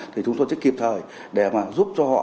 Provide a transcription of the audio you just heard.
thì chúng tôi sẽ kịp thời để mà giúp cho họ